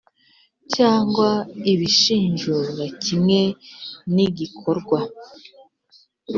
cyangwa ibishinjura kimwe n igikorwa